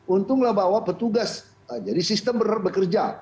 untunglah bahwa petugas jadi sistem benar benar bekerja